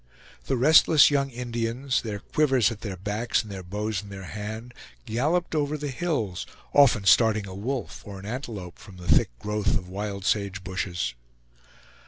The restless young Indians, their quivers at their backs, and their bows in their hand, galloped over the hills, often starting a wolf or an antelope from the thick growth of wild sage bushes.